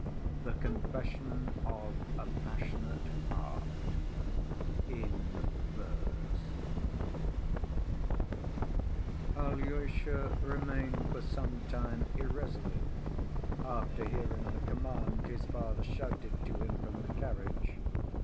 The Confession Of A Passionate Heart—In Verse Alyosha remained for some time irresolute after hearing the command his father shouted to him from the carriage.